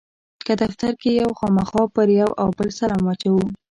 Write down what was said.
که دفتر کې یو خامخا پر یو او بل سلام اچوو.